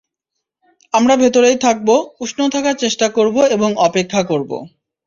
আমরা ভেতরেই থাকব, উষ্ণ থাকার চেষ্টা করব এবং অপেক্ষা করব!